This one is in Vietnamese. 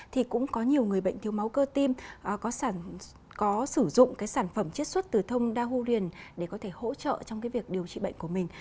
thì cũng có nhiều người bệnh thiếu máu cơ tim có sử dụng cái sản phẩm chiết xuất từ thông dagurion để có thể hỗ trợ trong cái việc điều trị bệnh của mình